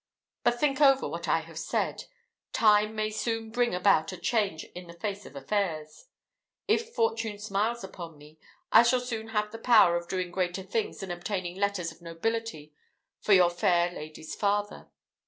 But think over what I have said. Time may soon bring about a change in the face of affairs. If fortune smiles upon me, I shall soon have the power of doing greater things than obtaining letters of nobility for your fair lady's father.